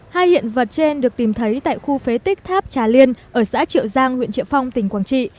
hai hiện vật trên được tìm thấy tại khu phế tích tháp trà liên ở xã triệu giang huyện triệu phong tỉnh quảng trị